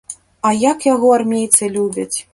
А як яго армейцы любяць.